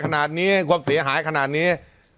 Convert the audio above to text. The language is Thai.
คนตายความเสียหายขนาดนี้